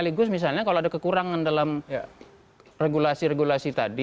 sekaligus misalnya kalau ada kekurangan dalam regulasi regulasi tadi